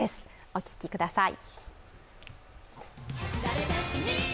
お聴きください。